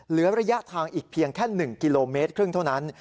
เหลือระยะทางอีกเพียงแค่๑กิโลเมตรครึ่งเท่านั้น